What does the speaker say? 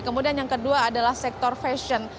kemudian yang kedua adalah sektor fashion